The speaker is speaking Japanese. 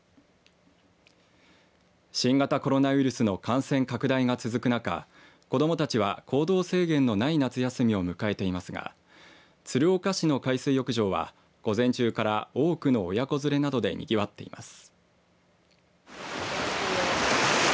新型コロナウイルスの感染拡大が続く中子どもたちは行動制限のない夏休みを迎えていますが鶴岡市の海水浴場は午前中から多くの親子連れなどでにぎわっています。